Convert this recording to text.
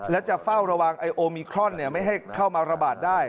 และจะเฝ้าระวังไอโอมิครอนไม่ให้เข้ามาระบาดได้